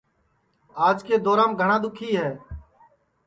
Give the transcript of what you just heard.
آج کے دورام گھٹؔا دؔوکھی ہے